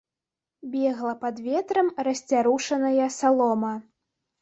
Бегла пад ветрам расцярушаная салома.